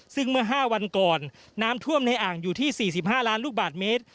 ซึ่งเมื่อ๕วันก่อนน้ำท่วมในอ่างอยู่ที่๔๕ล้านลูกบาทเมตร